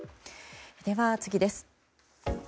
では、次です。